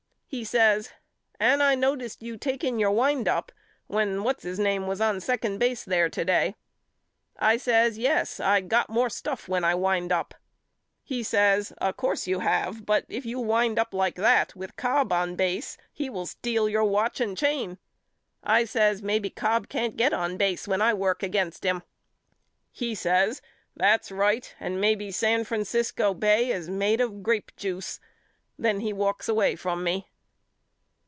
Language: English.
He says And I noticed you taking your wind up when What's His Name was on second base there to day. I says Yes I got more stuff when I wind up. He says Of course you have but if you wind up like that with Cobb on base he will steal your watch and chain. I says Maybe Cobb can't get on base when I work against him. He says That's right and maybe San Francisco Bay is made of grapejuice. Then he walks away from me.